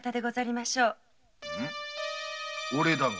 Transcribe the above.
おれだが。